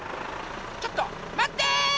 ちょっとまって！